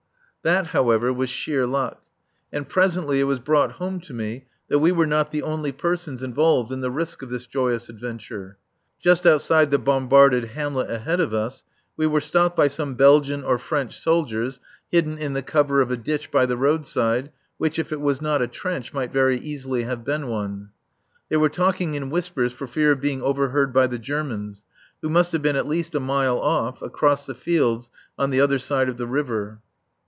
That, however, was sheer luck. And presently it was brought home to me that we were not the only persons involved in the risk of this joyous adventure. Just outside the bombarded hamlet ahead of us we were stopped by some Belgian [? French] soldiers hidden in the cover of a ditch by the roadside, which if it was not a trench might very easily have been one. They were talking in whispers for fear of being overheard by the Germans, who must have been at least a mile off, across the fields on the other side of the river.